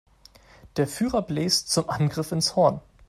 Der Führer bläst zum Angriff ins Horn.